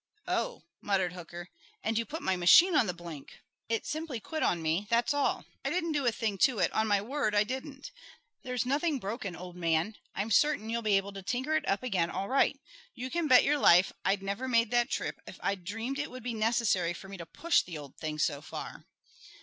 "Oh!" muttered Hooker. "And you put my machine on the blink!" "It simply quit on me, that's all. I didn't do a thing to it on my word, I didn't. There's nothing broken, old man. I'm certain you'll be able to tinker it up again all right. You can bet your life I'd never made that trip if I'd dreamed it would be necessary for me to push the old thing so far.